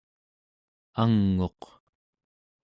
ang'uq